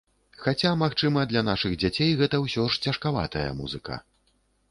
Хаця, магчыма, для нашых дзяцей гэта ўсё ж цяжкаватая музыка.